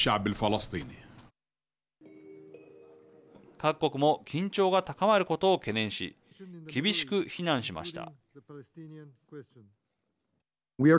各国も緊張が高まることを懸念し厳しく非難しました。